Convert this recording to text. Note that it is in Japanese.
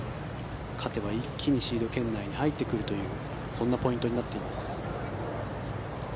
勝てば一気にシード圏内に入ってくるというそんなポイントになっています。